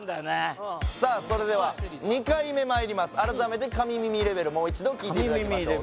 それでは２回目まいります改めて神耳レベルもう一度聴いていただきましょう